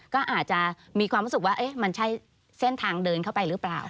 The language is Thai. ก็อาจจะมีความรู้สึกว่ามันใช่เส้นทางเดินเข้าไปหรือเปล่า